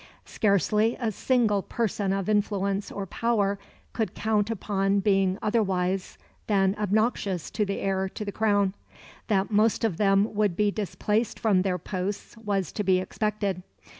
Scarcely a single person of influence or power could count upon being otherwise than obnoxious to the heir to the crown. That most of them would be displaced from their posts was to be expected.